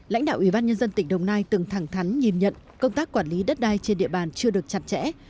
lãnh đạo ủy ban nhân dân tỉnh đồng nai từng thẳng thắn nhìn nhận công tác quản lý đất đai trên địa bàn chưa được chặt chẽ